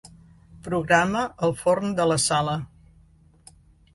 Programa el forn de la sala.